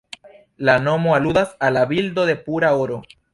La nomo aludas al la bildo de "pura oro".